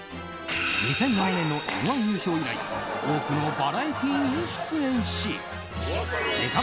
２００７年の「Ｍ‐１」優勝以来多くのバラエティー番組に出演しネタ